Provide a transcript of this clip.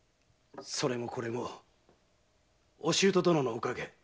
それもこれもお舅どののおかげ。